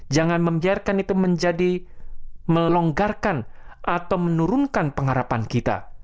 jangan membiarkan itu menjadi melonggarkan atau menurunkan pengharapan kita